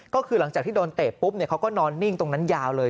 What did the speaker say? ก็คือหลังจากที่โดนเตะปุ๊บเขาก็นอนนิ่งตรงนั้นยาวเลย